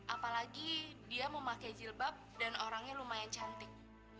apalagi dia memakai jilbab dan orangnya lumayan cantik